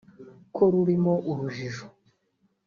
ko rurimo urujijo